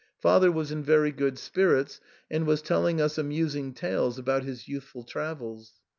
Father was in very good spirits, and was telling us amusing tales about his youthful travels.